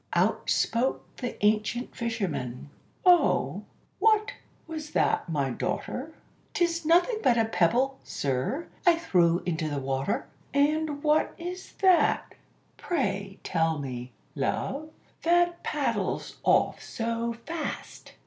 Out spoke the ancient fisherman "O what was that, my daughter?" "'Twas nothing but a pebble, sir, I threw into the water." "And what is that, pray tell me, love, that paddles off so fast?"